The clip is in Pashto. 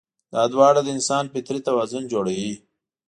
دا دواړه د انسان فطري توازن جوړوي.